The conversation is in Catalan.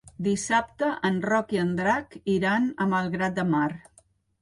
Dissabte en Roc i en Drac iran a Malgrat de Mar.